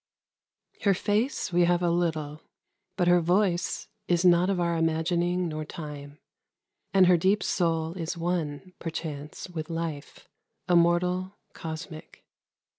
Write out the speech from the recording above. Her face we have a little, but her voice Is not of our imagining nor time, And her deep soul is one, perchance, with life, Immortal, cosmic.